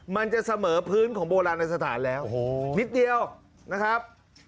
มันจะเสมอพื้นของโบราณสถานแล้วนิดเดียวนะครับ